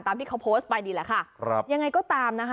ตามที่เขาโพสต์ไปนี่แหละค่ะอย่างไรก็ตาม